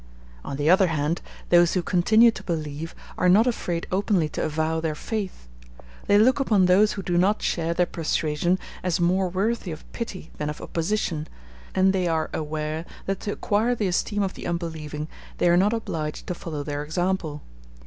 On the other hand, those who continue to believe are not afraid openly to avow their faith. They look upon those who do not share their persuasion as more worthy of pity than of opposition; and they are aware that to acquire the esteem of the unbelieving, they are not obliged to follow their example.